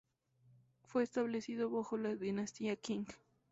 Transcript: Fue establecido bajo la dinastía Qing.